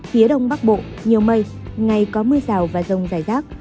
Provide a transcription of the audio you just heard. phía đông bắc bộ nhiều mây ngày có mưa rào và rông rải rác